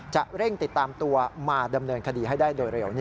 จะเร่งติดตามตัวมาดำเนินคดีให้ได้โดยเร็ว